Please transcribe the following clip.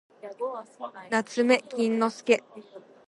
なつめきんのすけ